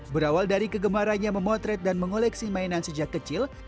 berawal dari kegemarannya memotret dan mengoleksi mainan sejak kecil